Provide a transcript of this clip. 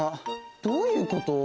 どういうこと？